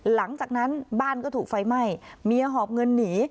หลังจากนั้นบ้านก็ถูกไฟไหม้เมียหอบเงินหนี